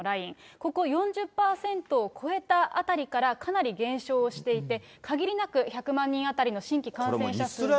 ここ４０％を超えた辺りからかなり減少していて、かぎりなく１００万人当たりの新規感染者数が。